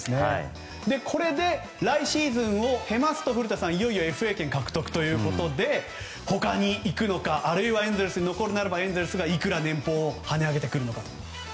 これで来シーズンを経ますといよいよＦＡ権獲得ということで他に行くのかあるいはエンゼルスに残るのならばエンゼルスがいくら年俸を跳ね上げてくるのか。